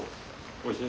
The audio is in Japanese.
おいしい？